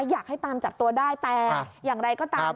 อยากให้ตามจับตัวได้แต่อย่างไรก็ตาม